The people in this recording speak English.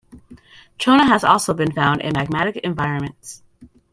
Trona has also been found in magmatic environments.